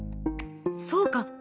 そうか！